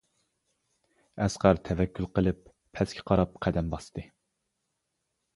ئەسقەر تەۋەككۈل قىلىپ پەسكە قاراپ قەدەم باستى.